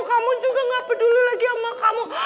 kamu juga gak peduli lagi sama kamu